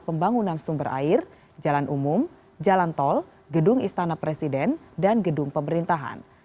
pembangunan sumber air jalan umum jalan tol gedung istana presiden dan gedung pemerintahan